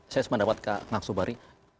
saya sempat dapat kak ngak soebari